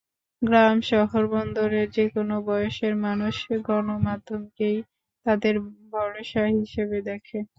গ্রাম, শহর, বন্দরের যেকোনো বয়সের মানুষ গণমাধ্যমকেই তাদের ভরসা হিসেবে দেখে।